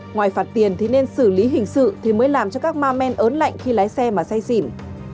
ngoài phạt tiền thì nên xử lý hình sự thì mới làm cho các ma men ớn lạnh khi lái xe mà say xỉn